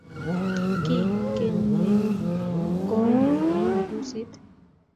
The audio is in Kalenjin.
ki kenyeitkonya arusiit